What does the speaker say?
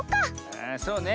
ああそうね。